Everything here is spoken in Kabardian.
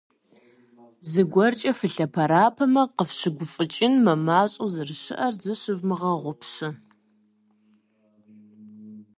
ЗыгуэркӀэ фылъэпэрапэмэ, къыфщыгуфӀыкӀын мымащӀэу зэрыщыӀэр зыщывмыгъэгъупщэ!